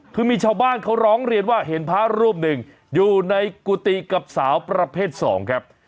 คือมีชาวบ้านเขาร้องเรียนว่าเห็นพระรูปหนึ่งอยู่ในกุฏิกับสาวประเภท๒ครับ